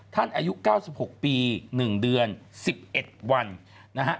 อายุ๙๖ปี๑เดือน๑๑วันนะฮะ